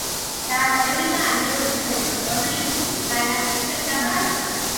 და მოევლინა ანგელოზი ზეცით, რომელიც განამტკიცებდა მას.